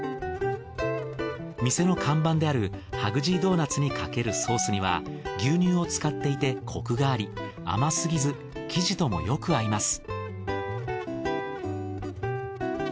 店の看板であるハグジードーナツにかけるソースには牛乳を使っていてコクがあり甘すぎず生地ともよく合います。